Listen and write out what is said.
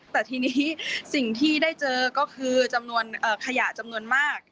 แต่ทีนี้สิ่งที่ได้เจอก็คือจำนวนขยะจำนวนมาก